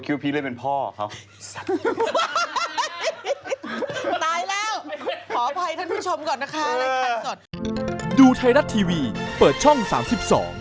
ขออภัยท่านผู้ชมก่อนนะคะ